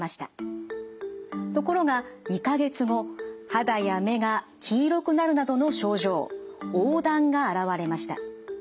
ところが２か月後肌や目が黄色くなるなどの症状黄疸が現れました。